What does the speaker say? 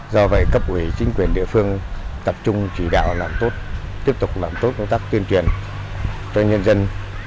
do vậy cấp ủy chính quyền địa phương tập trung chỉ đạo làm tốt tiếp tục làm tốt công tác tuyên truyền cho nhân dân